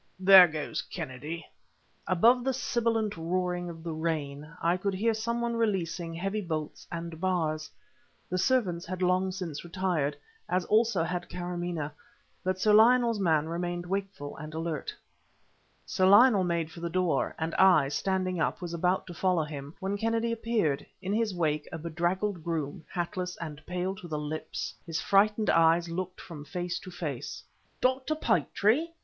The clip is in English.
"There goes Kennedy." Above the sibilant roaring of the rain I could hear some one releasing heavy bolts and bars. The servants had long since retired, as also had Kâramaneh; but Sir Lionel's man remained wakeful and alert. Sir Lionel made for the door, and I, standing up, was about to follow him, when Kennedy appeared, in his wake a bedraggled groom, hatless, and pale to the lips. His frightened eyes looked from face to face. "Dr. Petrie?"